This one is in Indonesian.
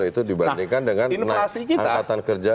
itu dibandingkan dengan angkatan kerja